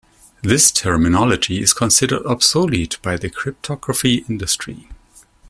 This terminology is considered obsolete by the cryptography industry.